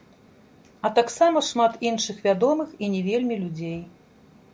А таксама шмат іншых вядомых і не вельмі людзей.